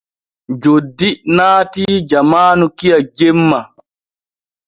Joddi naatii jamaanu kiya jemma.